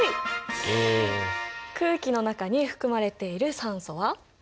空気の中に含まれている酸素は？